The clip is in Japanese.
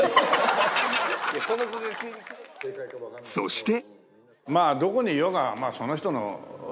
そして